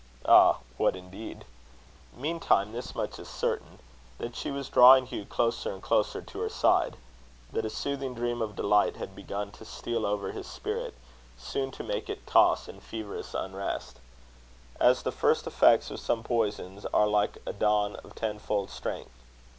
Ah! what indeed? Meantime this much is certain, that she was drawing Hugh closer and closer to her side; that a soothing dream of delight had begun to steal over his spirit, soon to make it toss in feverous unrest as the first effects of some poisons are like a dawn of tenfold strength.